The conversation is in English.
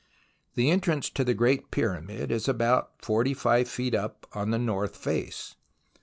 The entrance to the Great Pyramid is about 45 feet up on the north face.